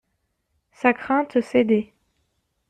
Sa crainte cédait.